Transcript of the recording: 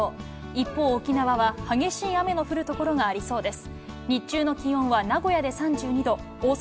一方、沖縄は激しい雨の降る所がありそうです。